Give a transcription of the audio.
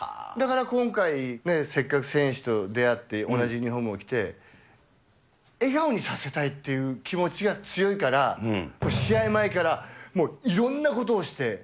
だから今回、せっかく選手と出会って、同じユニホームを着て、笑顔にさせたいという気持ちが強いから、試合前からもういろんなことをして。